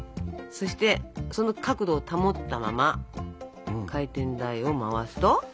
そしてその角度を保ったまま回転台を回すと。